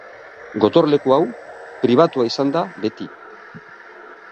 Gotorleku hau pribatua izan da beti.